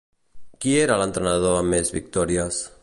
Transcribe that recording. Qui era l'entrenador amb més victòries?